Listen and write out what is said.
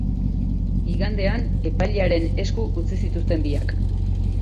Igandean, epailearen esku utzi zituzten biak.